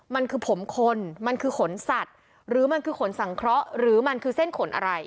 มันคือผมคนมันคือขนสัตว์หรือมันคือขนสังเคราะห์หรือมันคือเส้นขนอะไร